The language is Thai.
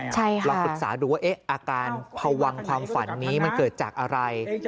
ใช่ค่ะลองศึกษาดูว่าอาการพวังความฝันนี้มันเกิดจากอะไร